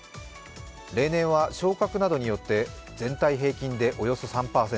例年は、昇格などによって全体平均でおよそ３％。